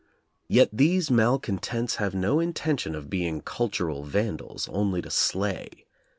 Yet these malcon tents have no intention of being cultural vandals, only to slay.